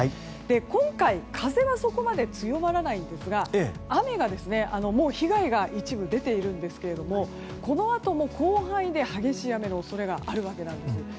今回、風はそこまで強まらないんですが雨が、もう被害が一部出ているんですけれどもこのあとも広範囲で激しい雨の恐れがあるわけなんです。